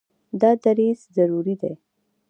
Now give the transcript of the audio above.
دا دریځ ضروري دی.